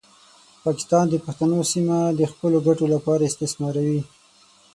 پاکستان د پښتنو سیمه د خپلو ګټو لپاره استثماروي.